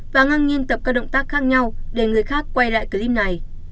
và ngang nhiên tập các động tác khác nhau để người khác quay lại clip này